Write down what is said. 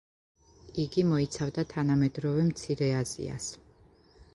იგი მოიცავდა თანამედროვე მცირე აზიას.